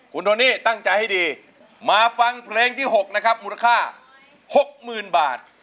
คุณโทนี่ตั้งใจให้ดีมาฟังเพลงที่๖นะครับมูลค่า๖๐๐๐บาท